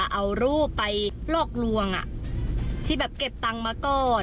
เอารูปไปหลอกลวงที่แบบเก็บตังค์มาก่อน